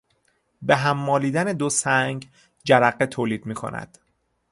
به هم مالیدن دو سنگ جرقه تولید میکند.